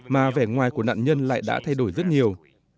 mà vẻ ngoài của nạn nhân lại đã thay đổi rất nhiều